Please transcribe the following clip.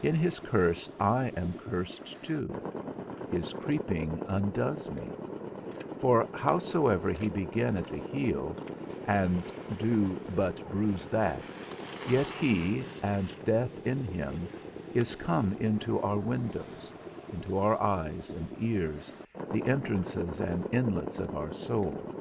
In his curse I am cursed too; his creeping undoes me; for howsoever he begin at the heel, and do but bruise that, yet he, and death in him, is come into our windows; into our eyes and ears, the entrances and inlets of our soul.